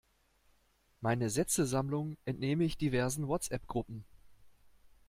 Meine Sätzesammlung entnehme ich diversen WhatsApp-Gruppen.